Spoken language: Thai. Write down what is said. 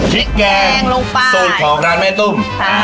พริกแกงลงไปสูตรของร้านแม่ตุ้ม